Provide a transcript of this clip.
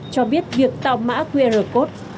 cho biết việc tạo mã qr code